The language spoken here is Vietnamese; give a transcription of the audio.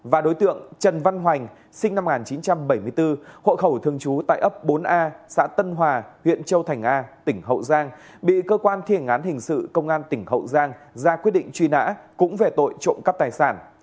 và đối tượng trần văn hoành sinh năm một nghìn chín trăm bảy mươi bốn hộ khẩu thường trú tại ấp bốn a xã tân hòa huyện châu thành a tỉnh hậu giang bị cơ quan thi hành án hình sự công an tỉnh hậu giang ra quyết định truy nã cũng về tội trộm cắp tài sản